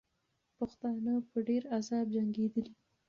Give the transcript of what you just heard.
پښتانه په ډېر عذاب جنګېدلې.